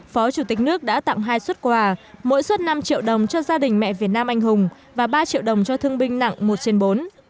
phó chủ tịch nước đã tặng hai xuất quà mỗi xuất năm triệu đồng cho gia đình mẹ việt nam anh hùng và ba triệu đồng cho thương binh nặng một trên bốn